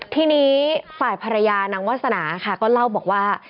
ทีนี้ฝ่ายภรรยานางวาสนาค่ะก็เล่าบอกว่า